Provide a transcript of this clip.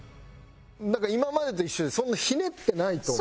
なんか今までと一緒でそんなひねってないと思う。